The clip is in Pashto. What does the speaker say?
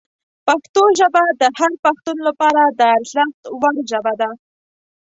پښتو ژبه د هر پښتون لپاره د ارزښت وړ ژبه ده.